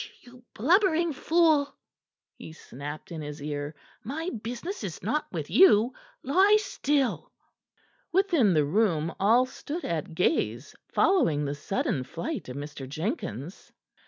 You blubbering fool!" he snapped in his ear. "My business is not with you. Lie still!" Within the room all stood at gaze, following the sudden flight of Mr. Jenkins.